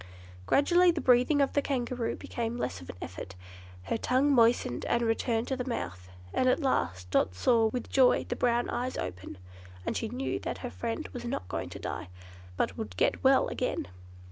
Gradually the breathing of the Kangaroo became less of an effort, her tongue moistened and returned to the mouth, and at last Dot saw with joy the brown eyes open, and she knew that her good friend was not going to die, but would get well again.